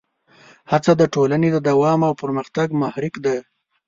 هڅه د ټولنې د دوام او پرمختګ محرک ده.